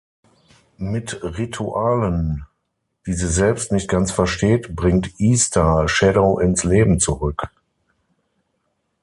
Mit Ritualen, die sie selbst nicht ganz versteht, bringt "Easter" "Shadow" ins Leben zurück.